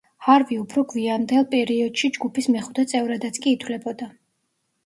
ჰარვი უფრო გვიანდელ პერიოდში ჯგუფის მეხუთე წევრადაც კი ითვლებოდა.